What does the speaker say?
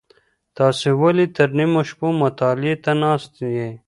تاسو ولي تر نیمو شپو مطالعې ته ناست یئ؟